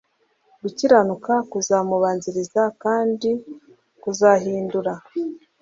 gukiranuka kuzamubanziriza kandi kuzahindura